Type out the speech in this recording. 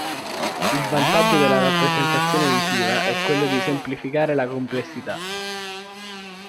Il vantaggio della rappresentazione visiva è quello di semplificare la complessità.